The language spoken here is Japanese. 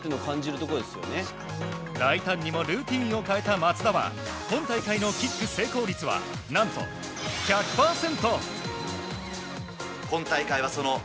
大胆にもルーティンを変えた松田は今大会のキック成功率は何と１００％！